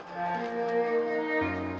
ya udah bang